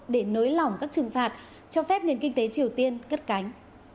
để nới lỏng các trừng phạt cho phép nền kinh tế triều tiên cất cánh